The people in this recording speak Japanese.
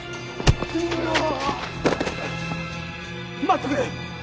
待ってくれ！